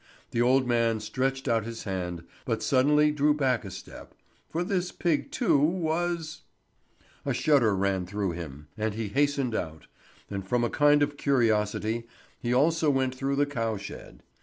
The old man stretched out his hand, but suddenly drew back a step, for this pig too was A shudder ran through him, and he hastened out, and from a kind of curiosity he also went through the cow shed.